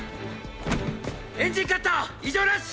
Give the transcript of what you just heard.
エンジンカッター異常無し。